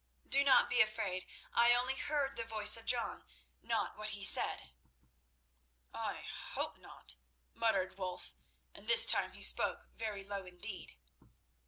Do not be afraid. I only heard the voice of John, not what he said." "I hope not," muttered Wulf, and this time he spoke very low indeed.